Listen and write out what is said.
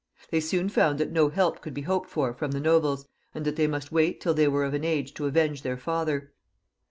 They soon found that no help could be hoped for from the nobles, and that they must wait till they were of an age to avenge their father.